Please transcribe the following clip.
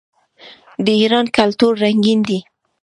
د ایران کلتور رنګین دی.